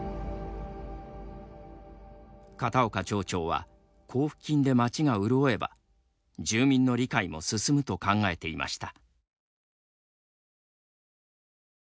片岡町長は、交付金で町が潤えば住民の理解も進むと考えていました。